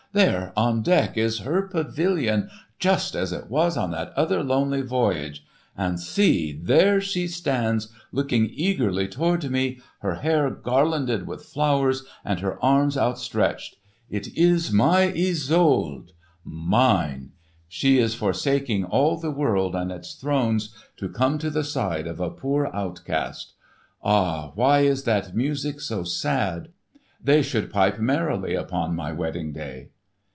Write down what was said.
There on deck is _her pavilion, just as it was on that other lonely voyage. And see! there she stands looking eagerly toward me, her hair garlanded with flowers and her arms outstretched! It is my Isolde! *Mine_! She is forsaking all the world and its thrones to come to the side of a poor outcast. Ah, why is that music so sad? They should pipe merrily upon my wedding day!"